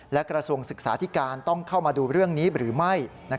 และกระทรวงศึกษาธิการต้องเข้ามาดูเรื่องนี้หรือไม่